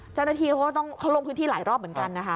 เจ้าหน้าที่เขาก็ต้องเขาลงพื้นที่หลายรอบเหมือนกันนะคะ